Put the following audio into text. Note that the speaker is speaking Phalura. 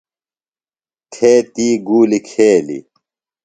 تھے تی گولی کھیلی۔